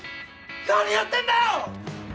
何やってんだよ！